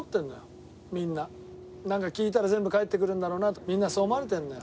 なんか聞いたら全部返ってくるんだろうなとみんなにそう思われてるのよ。